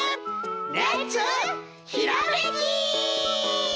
レッツひらめき！